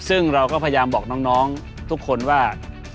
ซึ่งเราก็พยายามบอกน้องทุกคนว่า